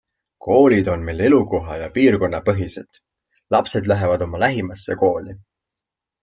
Koolid on meil elukoha- ja piirkonnapõhised - lapsed lähevad oma lähimasse kooli.